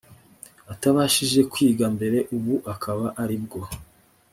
atabashije kwiga mbere ubu akaba aribwo